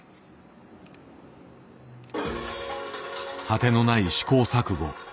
果てのない試行錯誤。